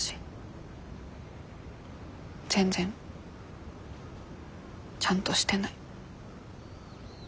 全然ちゃんとしてない。